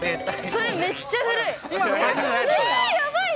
それ、めっちゃ古い。